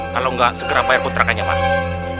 kalau nggak segera bayar putra kaya maaf